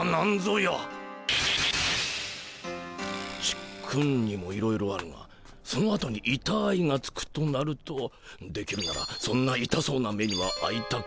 ちっくんにもいろいろあるがそのあとに「いたーい」がつくとなるとできるならそんないたそうな目にはあいたくない。